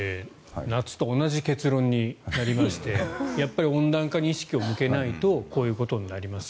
夏と同じ結論になりましてやっぱり温暖化に意識を向けないとこういうことになります。